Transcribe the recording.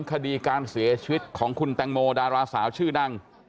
คดีการเสียชีวิตของคุณแตงโมดาราสาวชื่อดัง